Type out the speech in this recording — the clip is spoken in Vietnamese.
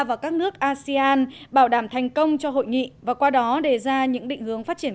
và các nước asean bảo đảm thành công cho hội nghị và qua đó đề ra những định hướng phát triển